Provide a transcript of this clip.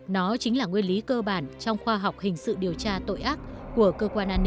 nó chính là nguyên lý cơ bản trong khoa học hình sự điều tra tội ác